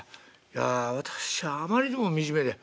いや私はあまりにも惨めで」。